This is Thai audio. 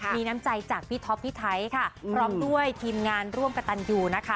มีน้ำใจจากพี่ท็อปพี่ไทยค่ะพร้อมด้วยทีมงานร่วมกระตันยูนะคะ